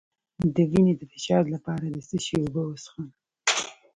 د وینې د فشار لپاره د څه شي اوبه وڅښم؟